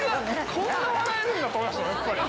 こんな笑えるんだと思いましたね。